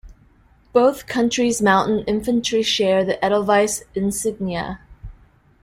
Both countries' mountain infantry share the Edelweiss insignia.